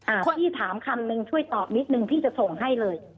คนที่ถามคำนึงช่วยตอบนิดนึงพี่จะส่งให้เลย